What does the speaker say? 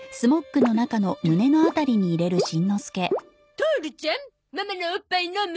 トオルちゃんママのおっぱい飲む？